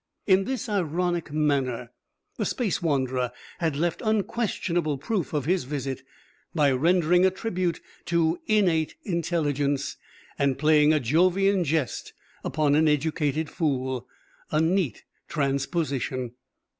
In this ironic manner the Space Wanderer had left unquestionable proof of his visit by rendering a tribute to "innate intelligence" and playing a Jovian Jest upon an educated fool a neat transposition.